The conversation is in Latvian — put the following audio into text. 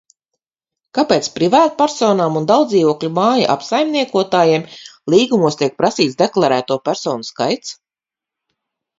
Kāpēc privātpersonām un daudzdzīvokļu māju apsaimniekotājiem līgumos tiek prasīts deklarēto personu skaits?